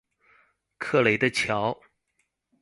克雷的橋